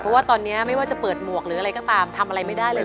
เพราะว่าตอนนี้ไม่ว่าจะเปิดหมวกหรืออะไรก็ตามทำอะไรไม่ได้เลย